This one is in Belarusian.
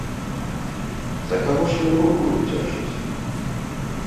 За каго ж ён руку дзяржыць?